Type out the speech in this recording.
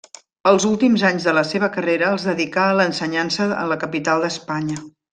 Els últims anys de la seva carrera els dedicà a l'ensenyança en la capital d'Espanya.